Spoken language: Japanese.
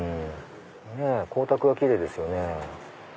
光沢がキレイですよね。